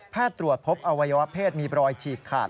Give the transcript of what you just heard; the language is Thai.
ตรวจพบอวัยวะเพศมีรอยฉีกขาด